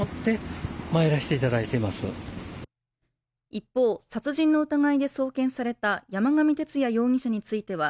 一方、殺人の疑いで送検された山上徹也容疑者については